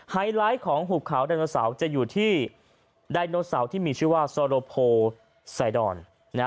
ไฮไลท์ของหุบเขาไดโนเสาร์จะอยู่ที่ไดโนเสาร์ที่มีชื่อว่าโซโลโพไซดอน